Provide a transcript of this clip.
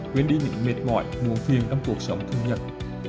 quyến đi những mệt mỏi nguồn phiền trong cuộc sống thương nhật